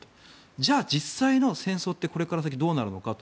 じゃあ、実際の戦争ってこれから先どうなるのかと。